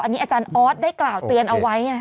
อันนี้อาจารย์ออสได้กล่าวเตือนเอาไว้